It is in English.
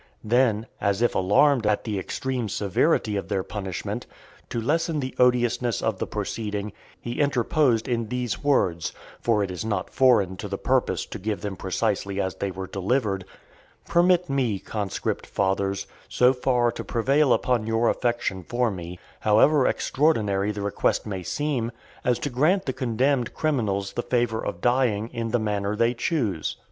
Then, as if alarmed at the extreme severity of their punishment, to lessen the odiousness of the proceeding, he interposed in these words; for it is not foreign to the purpose to give them precisely as they were delivered: "Permit me, Conscript Fathers, so far to prevail upon your affection for me, however extraordinary the request may seem, as to grant the condemned criminals the favour of dying in the manner they choose.